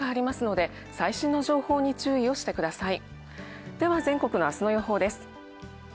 では、全国の明日の予報です。